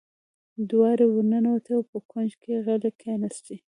دواړې ور ننوتې او په کونج کې غلې کېناستې.